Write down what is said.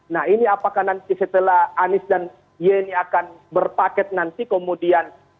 nah ini apakah nanti setelah anies dan yeni akan berpaket nanti kemudian